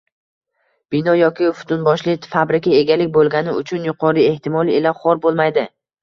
bino yoki butunboshli fabrika – egalik bo‘lgani uchun yuqori eʼtimol ila xor bo‘lmaydi.